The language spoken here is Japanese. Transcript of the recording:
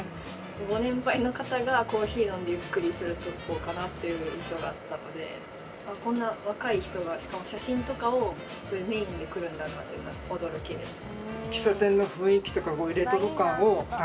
ご年配の方がコーヒー飲んでゆっくりする所かなっていう印象があったのでこんな若い人がしかも写真とかをそういうメインで来るんだなっていうのが驚きでした。